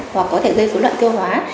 hoặc có thể gây số loạn tiêu hóa